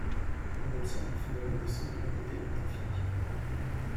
On observe un phénomène de singularité en temps fini